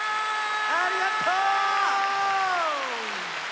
ありがとう！